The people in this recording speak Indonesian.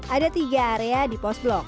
ada tiga area di pos blok